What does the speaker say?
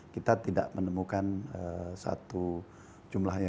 kita tidak menemukan satu jumlahnya